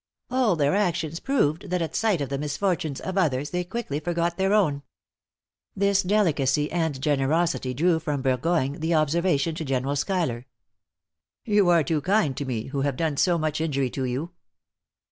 "All their actions proved, that at sight of the misfortunes of others, they quickly forgot their own." This delicacy and generosity drew from Burgoyne the observation to General Schuyler, "You are too kind to me, who have done so much injury to you."